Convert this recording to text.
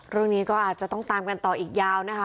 เรื่องนี้ก็อาจจะต้องตามกันต่ออีกยาวนะคะ